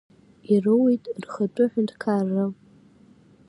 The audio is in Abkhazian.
Ироуит рхатәы ҳәынҭқарра.